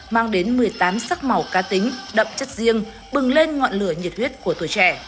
mang đến một mươi tám sắc màu ca tính đậm chất riêng bừng lên ngọn lửa nhiệt huyết của tuổi trẻ